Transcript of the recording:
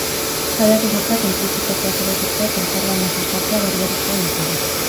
Sareak osatzea, konplizitateak eraikitzea eta elkarlana sustatzea behar-beharrezkoak ditugu.